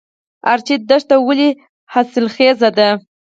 ارچي دښته ولې حاصلخیزه ده؟